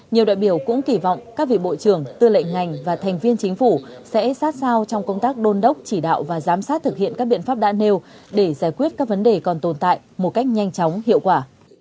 nhiều đại biểu cũng kỳ vọng các vị bộ trưởng tư lệnh ngành và thành viên chính phủ sẽ sát sao trong công tác đôn đốc chỉ đạo và giám sát thực hiện các biện pháp đã nêu để giải quyết các vấn đề còn tồn tại một cách nhanh chóng hiệu quả